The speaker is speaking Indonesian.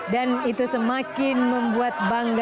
dan itu semakin membuat bangsa